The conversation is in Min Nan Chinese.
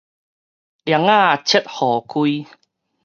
喨仔切予開